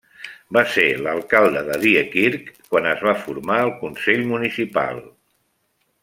Va ser l'alcalde de Diekirch, quan es va formar el consell municipal.